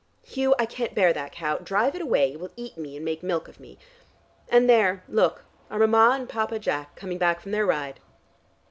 Hugh, I can't bear that cow, drive it away, it will eat me and make milk of me. And there, look, are Mama and Papa Jack, coming back from their ride.